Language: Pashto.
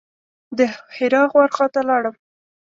د حرا غار خواته لاړم.